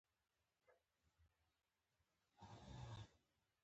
لومړۍ برخه کې د استاد برداشتونه او مقالې دي.